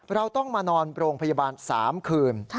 เราต้องมานอนโรงพยาบาล๓คืน